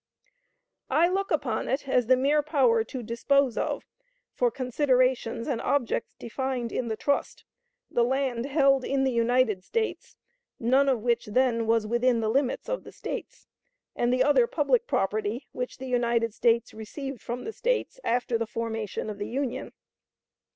I look upon it as the mere power to dispose of, for considerations and objects defined in the trust, the land held in the United States, none of which then was within the limits of the States, and the other public property which the United States received from the States after the formation of the Union.